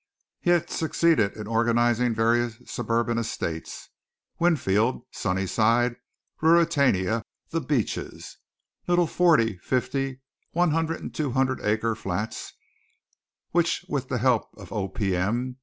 He had succeeded in organizing various suburban estates Winfield, Sunnyside, Ruritania, The Beeches little forty, fifty, one hundred and two hundred acre flats which with the help of "O. P. M."